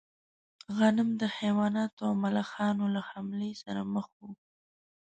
غنم د حیواناتو او ملخانو له حملې سره مخ و.